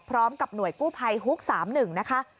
พร้อมกับหน่วยกู้ภัยฮุก๓๑นะคะ